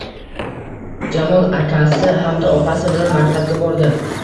Jamol akasi hamda opasi bilan maktabga bordi